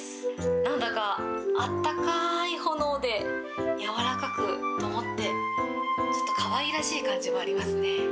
なんだかあったかい炎でやわらかくともって、ちょっとかわいらしい感じもありますね。